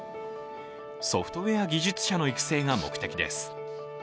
ソフトウェア技術者の育成が目的です。